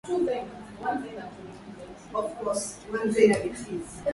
kama ni kiwanda duka au hoteli Makampuni